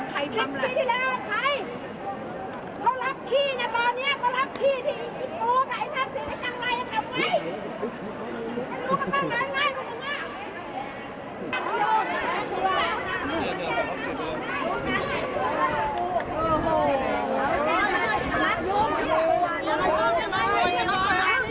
๑๐ปีที่แล้วใครเขารับขี้ณตอนเนี้ยเขารับขี้ที่อีกตัวกับไอ้ทัศน์สิไอ้ชังไลยังทำไง